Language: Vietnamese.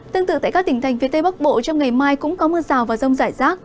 tương tự tại các tỉnh thành phía tây bắc bộ trong ngày mai cũng có mưa rào và rông rải rác